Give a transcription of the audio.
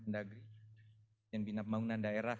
dirjen bina pembangunan daerah